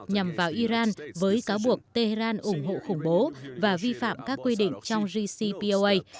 nhằm vào iran với cáo buộc tehran ủng hộ khủng bố và vi phạm các quy định trong gcpoa